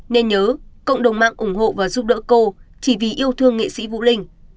nên nhớ cộng đồng mạng ủng hộ và giúp đỡ cô chỉ vì yêu thương nghệ sĩ vũ linh